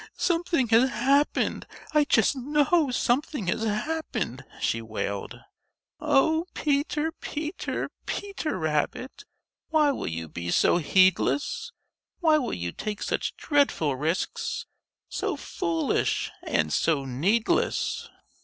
"Something has happened. I just know something has happened!" she wailed. "Oh, Peter, Peter, Peter Rabbit Why will you be so heedless? Why will you take such dreadful risks, So foolish and so needless?"